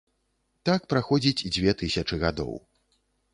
Так праходзіць дзве тысячы гадоў.